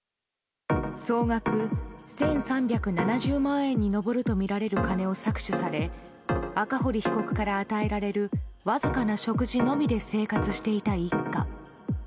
総額１３７０万円に上るとみられる金を搾取され赤堀被告から与えられるわずかな食事のみで生活していた一家。